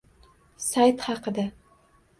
Sayt haqida